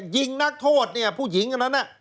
ยิงนักโทษผู้หญิงนั้น